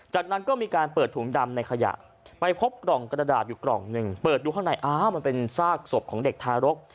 จากนั้นก็มีการเปิดถุงดำในขยะไปพบกล่องกระดาษอยู่กล่องหนึ่งเปิดดูข้างในอ้าวมันเป็นซากศพของเด็กทารก